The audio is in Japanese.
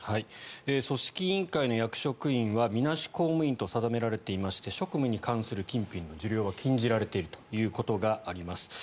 組織委員会の役職員はみなし公務員と定められていまして職務に関する金品の受領は禁じられているということがあります。